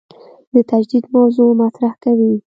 د تجدید موضوع مطرح کوي.